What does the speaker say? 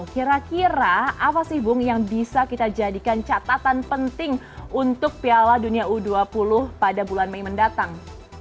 kira kira apa sih bung yang bisa kita jadikan catatan penting untuk piala dunia u dua puluh pada bulan mei mendatang